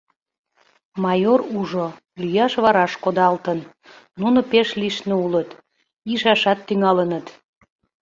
Майор ужо: лӱяш вараш кодалтын; нуно пеш лишне улыт, ишашат тӱҥалыныт.